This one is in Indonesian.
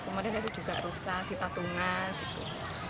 kemudian ada juga rusa sita tunga gitu